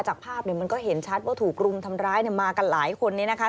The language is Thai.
จากภาพมันก็เห็นชัดว่าถูกรุมทำร้ายมากันหลายคนนี้นะคะ